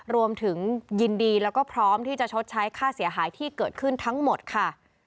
รวมถึงยินดีแล้วก็พร้อมที่จะชดใช้ค่าเสียหายที่เกิดขึ้นทั้งหมดค่ะ